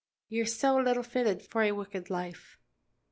"Ye're so little fitted for a wicked life."